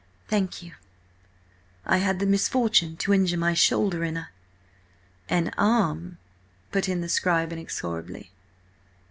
"Thank you. 'I had the misfortune to injure my shoulder in a—" "'And arm,'" put in the scribe, inexorably.